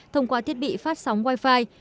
thông qua thiết bị phát sóng wi fi